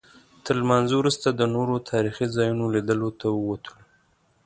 تر لمانځه وروسته د نورو تاریخي ځایونو لیدلو ته ووتلو.